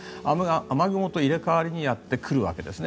雨雲と入れ替わりにやってくるわけですね。